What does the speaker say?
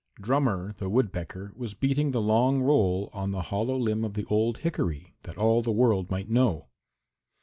Drummer the Woodpecker was beating the long roll on the hollow limb of the old hickory, that all the world might know.